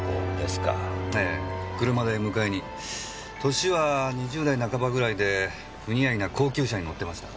年は２０代半ばぐらいで不似合いな高級車に乗ってました。